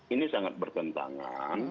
ini sangat bertentangan